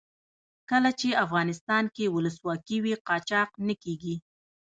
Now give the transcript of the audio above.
کله چې افغانستان کې ولسواکي وي قاچاق نه کیږي.